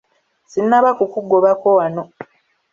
Sinnaba kukugobako wano.